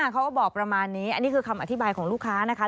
เขาก็บอกประมาณนี้คำอธิบายของลูกค้า